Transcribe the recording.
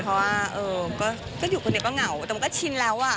เพราะว่าก็อยู่คนเดียวก็เหงาแต่มันก็ชินแล้วอ่ะ